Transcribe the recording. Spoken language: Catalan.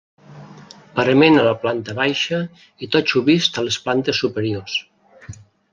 Parament a la planta baixa i totxo vist a les plantes superiors.